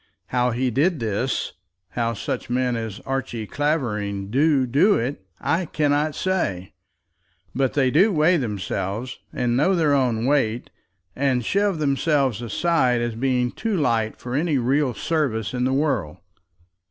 How he did this, how such men as Archie Clavering do do it, I cannot say; but they do weigh themselves, and know their own weight, and shove themselves aside as being too light for any real service in the world.